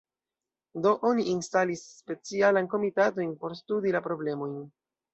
Do oni instalis specialajn komitatojn por studi la problemojn.